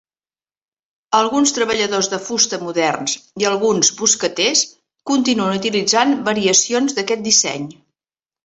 Alguns treballadors de fusta moderns i alguns boscaters continuen utilitzant variacions d'aquest disseny.